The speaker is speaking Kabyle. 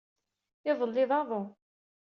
Iḍelli d aḍu.